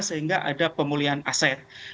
sehingga ada pemulihan aset